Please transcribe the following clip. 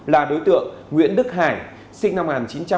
là đối tượng nguyễn đức hải sinh năm một nghìn chín trăm sáu mươi một